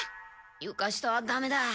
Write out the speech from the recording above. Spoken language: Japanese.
ゆか下はダメだ。